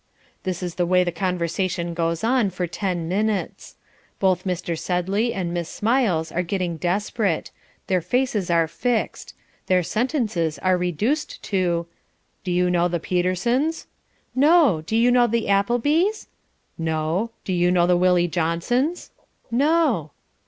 This is the way the conversation goes on for ten minutes. Both Mr. Sedley and Miss Smiles are getting desperate. Their faces are fixed. Their sentences are reduced to "Do you know the Petersons?" "No. Do you know the Appleby's?" "No. Do you know the Willie Johnsons?" "No."